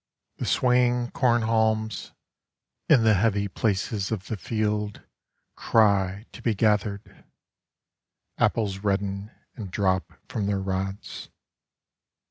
The swaying corn haulmsIn the heavy places of the fieldCry to be gathered. Apples redden, and drop from their rods.